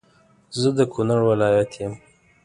زه د کونړ ولایت يم